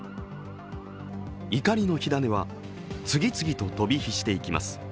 怒りの火種は次々と飛び火していきます。